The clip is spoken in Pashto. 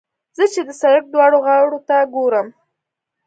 زه چې د سړک دواړو غاړو ته ګورم.